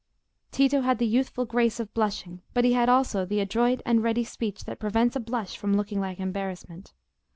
Tito had the youthful grace of blushing, but he had also the adroit and ready speech that prevents a blush from looking like embarrassment.